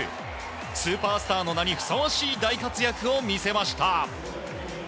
スーパースターの名にふさわしい大活躍を見せました。